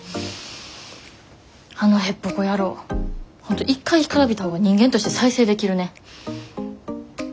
あのへっぽこ野郎本当一回干からびたほうが人間として再生できるね。